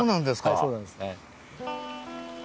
はいそうなんです。